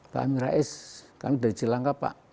pak amin rais kami dari cilangkap pak